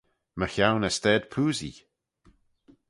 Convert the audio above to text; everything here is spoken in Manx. Mychione y stayd poosee.